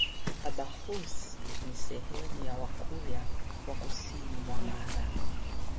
Abhaghusii ni sehemu ya Wakurya wa kusini mwa Mara